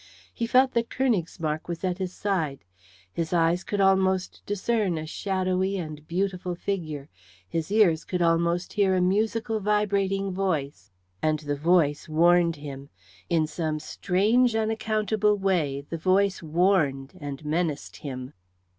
He felt that Königsmarck was at his side; his eyes could almost discern a shadowy and beautiful figure; his ears could almost hear a musical vibrating voice. And the voice warned him, in some strange unaccountable way the voice warned and menaced him.